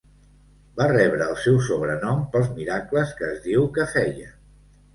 Va rebre el seu sobrenom pels miracles que es diu que feia.